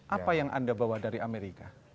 apa yang anda bawa dari amerika